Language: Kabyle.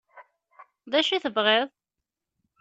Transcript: D acu i tebɣiḍ?